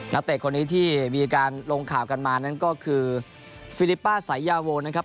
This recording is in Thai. เตะคนนี้ที่มีการลงข่าวกันมานั้นก็คือฟิลิปป้าสายยาโวนะครับ